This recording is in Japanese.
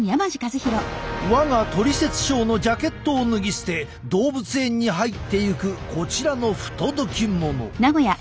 我が「トリセツショー」のジャケットを脱ぎ捨て動物園に入っていくこちらの不届き者。